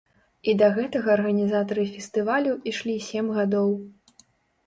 І да гэтага арганізатары фестывалю ішлі сем гадоў.